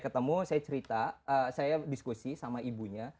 ketemu saya cerita saya diskusi sama ibunya